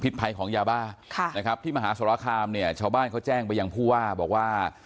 ผิดภัยของยาบ้าที่มหาสละครามชาวบ้านเค้าแจ้งไปอย่างผู้ว่า